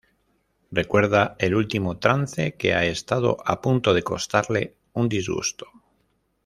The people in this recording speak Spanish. Recuerda el último trance que ha estado a punto de costarle un disgusto.